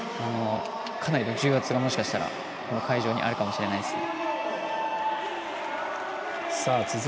かなりの重圧が、この会場にあるかもしれないですね。